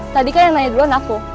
tadi kan yang nanya drone aku